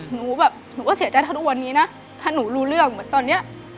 หนูแบบหนูก็เสียใจเท่าทุกวันนี้นะถ้าหนูรู้เรื่องเหมือนตอนเนี้ย